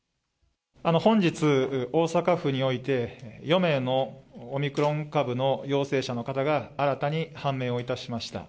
本日、大阪府において４名のオミクロン株の陽性者の方が新たに判明をいたしました。